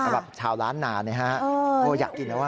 แบบชาวร้านหนาอยากกินแล้ว